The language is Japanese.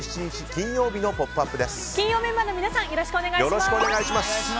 金曜メンバーの皆さんよろしくお願いします。